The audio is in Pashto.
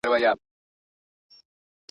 زموږ د شاهباز له شاهپرونو سره لوبي کوي.